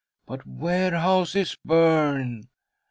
"But warehouses burn."